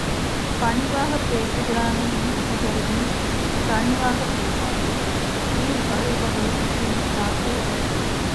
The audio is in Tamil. பணிவாகப் பேசுகிறானே என்று கருதிக் கனிவாகப் பேசாதே வில் வளைவதே பின் தாக்குவதற்கே.